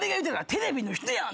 「テレビの人やん」